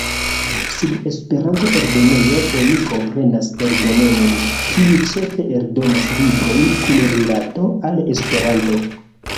Sub "Esperanto-eldonejo" oni komprenas eldonejon, kiu ĉefe eldonas librojn kun rilato al Esperanto.